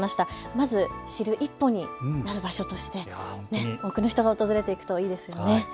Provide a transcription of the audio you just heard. まず知る一歩になる場所として多くの人が訪れていくといいですね。